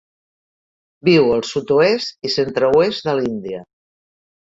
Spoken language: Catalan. Viu al sud-oest i centre-oest de l'Índia.